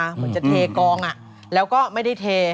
เหมือนจะเทกองแล้วก็ไม่ได้เท